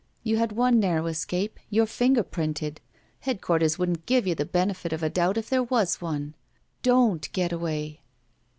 You had one narrow escape. You're &iger printed. Headquarters wouldn't give you the benefit of a doubt if there was one. Don't — Getaway!"